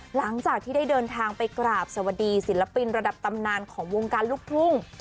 หลังจากที่ได้เดินทางไปกราบสวัสดีศิลปินระดับตำนานของวงการลูกทุ่ง